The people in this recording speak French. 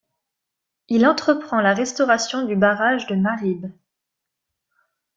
Il entreprend la restauration du barrage de Ma'rib.